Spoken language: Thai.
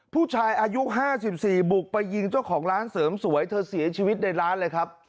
ผู้ชายอายุ๕๔บุกไปยิงเจ้าของร้านเสริมสวยเธอเสียชีวิตในร้านเลยครับ